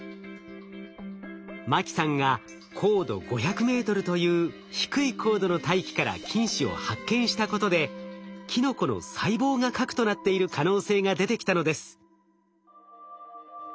牧さんが高度５００ｍという低い高度の大気から菌糸を発見したことでキノコの細胞が核となっている可能性が出てきたのです。